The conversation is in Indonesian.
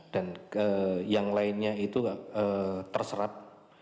dan yang lainnya itu terserap